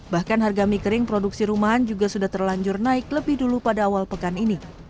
bahkan harga mie kering produksi rumahan juga sudah terlanjur naik lebih dulu pada awal pekan ini